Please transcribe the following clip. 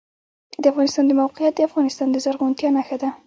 د افغانستان د موقعیت د افغانستان د زرغونتیا نښه ده.